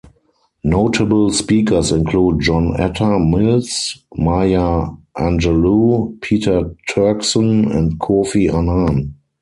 Notable speakers include John Atta Mills, Maya Angelou, Peter Turkson and Kofi Annan.